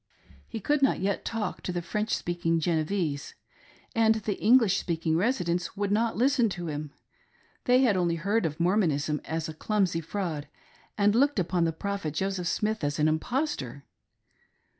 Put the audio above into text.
He could not yet talk to the French speaking Genevese ; and the English speak ing residents would not listen to him ; they had only heard of Mormonism as a clumsy fraud, and looked upon the prophet Joseph Smith as an impostor.